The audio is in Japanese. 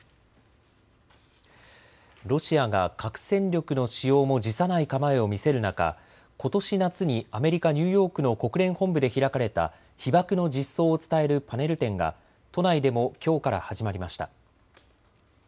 ロシアが核戦力の使用も辞さない構えを見せる中、ことし夏にアメリカ・ニューヨークの国連本部で開かれた被爆の実相を伝えるパネル展が都内でもきょうから始まりました。